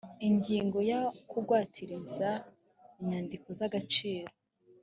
ingingo ya kugwatiriza inyandiko z agaciro